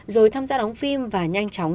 rồi tham gia đóng phim và nhanh chóng